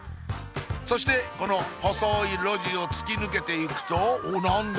そしてこの細い路地を突き抜けていくとおっ何だ？